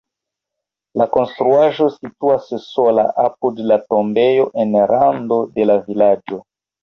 La konstruaĵo situas sola apud la tombejo en rando de la vilaĝo.